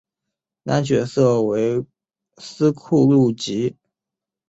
男主角为斯库路吉。